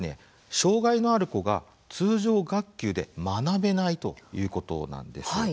障害のある子が通常学級で学べないということなんです。